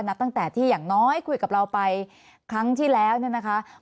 นับตั้งแต่ที่อย่างน้อยคุยกับเราไปครั้งที่แล้วเนี่ยนะคะ